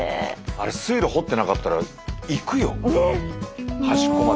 あれ水路掘ってなかったら行くよ端っこまで。